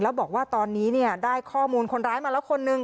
แล้วบอกว่าตอนนี้ได้ข้อมูลคนร้ายมาแล้วคนนึง